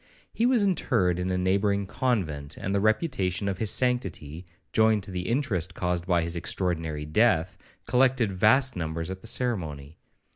He was interred in a neighbouring convent; and the reputation of his sanctity, joined to the interest caused by his extraordinary death, collected vast numbers at the ceremony.